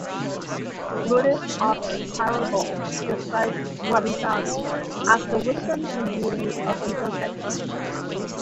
Buddhist author Taro Gold describes wabi-sabi as "the wisdom and beauty of imperfection".